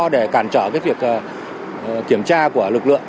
để cản trở việc kiểm tra của lực lượng